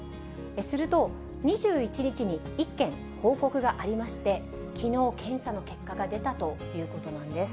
すると、２１日に１件報告がありまして、きのう、検査の結果が出たということなんです。